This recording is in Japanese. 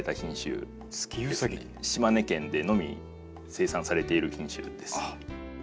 島根県でのみ生産されている品種です。